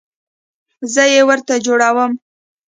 زه یې ورته جوړوم